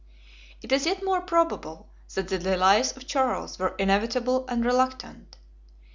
It is yet more probable, that the delays of Charles were inevitable and reluctant.